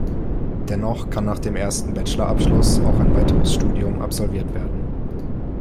Dennoch kann nach dem ersten Bachelorabschluss auch ein weiteres Studium absolviert werden.